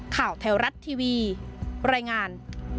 ข่าวแถวรัฐทีวีรายงาน